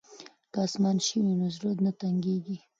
که اسمان شین وي نو زړه نه تنګیږي.